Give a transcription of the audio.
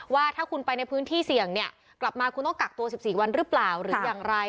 ว่าถ้าคุณไปในพื้นที่เสี่ยงเนี่ยกลับมาคุณต้องกักตัว๑๔วันหรือเปล่าหรืออย่างไร